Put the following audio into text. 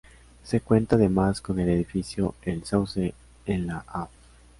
Se cuenta demás con el edificio El Sauce en la Av.